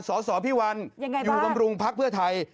สอสอพี่วันยังไงบ้างอยู่บำรุงพักเพื่อไทย